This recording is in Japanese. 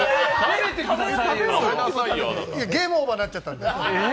ゲームオーバーになっちゃったんで。